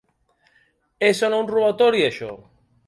És o no un robatori això?